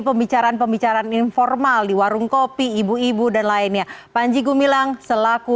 pembicaraan pembicaraan informal di warung kopi ibu ibu dan lainnya panji gumilang selaku